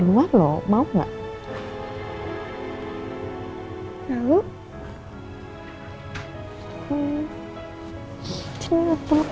cuma peluk mama lagi dong